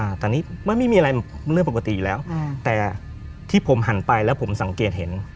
อ่าแต่นี่ไม่มีอะไรเรื่องปกติแล้วอ่าแต่ที่ผมหันไปแล้วผมสังเกตเห็น